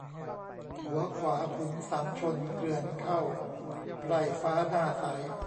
หัวขวาขุนสามชนเกลื่อนเข้า ไพร่ฟ้าหน้าใส